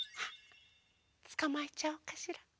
つかまえちゃおうかしら。